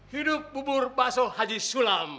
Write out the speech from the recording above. hidup bubur bakso haji sulam